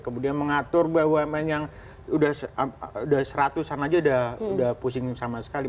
kemudian mengatur bumn yang sudah seratusan aja udah pusing sama sekali